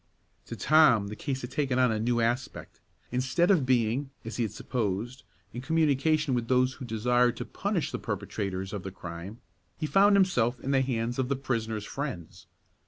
To Tom, the case had taken on a new aspect. Instead of being, as he had supposed, in communication with those who desired to punish the perpetrators of the crime, he found himself in the hands of the prisoner's friends.